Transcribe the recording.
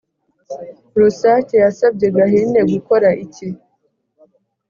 Rusake yasabye Gahene gukora iki?